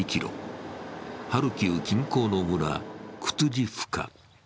ハルキウ近郊の村、クトゥジフカ。